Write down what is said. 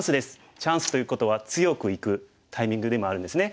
チャンスということは強くいくタイミングでもあるんですね。